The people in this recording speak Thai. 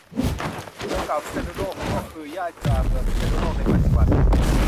เมืองเก่าพิษณุโลกก็คือย่านกลางเมืองพิษณุโลกในปัจจุบัน